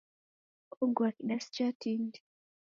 Ogua kidasi cha tindi.